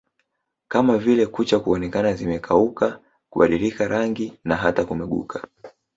kama vile kucha kuonekana zimekauka kubadilika rangi na hata kumeguka